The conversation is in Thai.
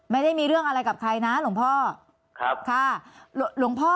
ไม่ได้มีเรื่องอะไรกับใครนะหลวงพ่อครับค่ะหลวงพ่อ